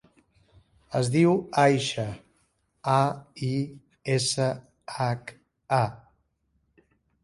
Es diu Aisha: a, i, essa, hac, a.